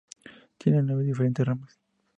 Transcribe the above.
Tiene nueve diferentes ramas.